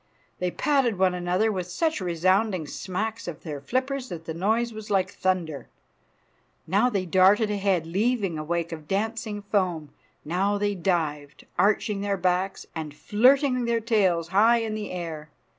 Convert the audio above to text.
They patted one another with such resounding smacks of their flippers that the noise was like thunder. Now they darted ahead, leaving a wake of dancing foam; now they dived, arching their backs, and flirting their tails high in the air.